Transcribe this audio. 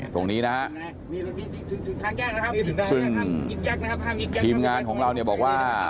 ตรงนี้นะฮะซึ่งทีมงานของเราเนี่ยบอกว่า